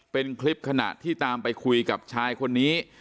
เป็นคลิปขณะที่ตามไปคุยกับชายคนนี้